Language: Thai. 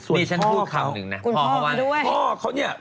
ส่วนพ่อเขา